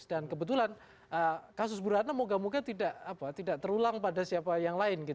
dan kebetulan kasus buratna moga moga tidak terulang pada siapa yang lain